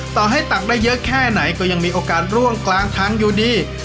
ต่อให้ตักได้เยอะแค่ไหนก็ยังมีโอกาสร่วงกลางทางอยู่ดี